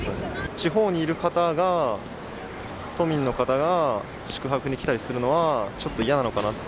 地方にいる方が都民の方が宿泊に来たりするのは、ちょっと嫌なのかなと。